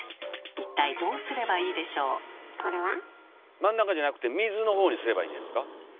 真ん中じゃなくて水のほうにすればいいんじゃないですか。